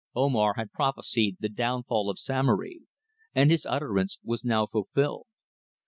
Omar had prophesied the downfall of Samory, and his utterance was now fulfilled.